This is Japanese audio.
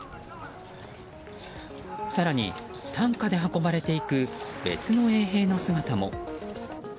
更に、担架で運ばれていく別の衛兵の姿も。